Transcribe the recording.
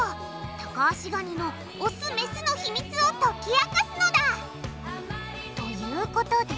タカアシガニのオス・メスの秘密を解き明かすのだ！